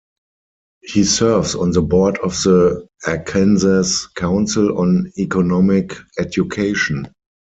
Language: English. He serves on the board of the Arkansas Council on Economic Education.